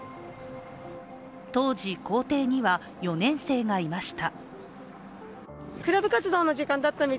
当時、校庭には４年生がいました。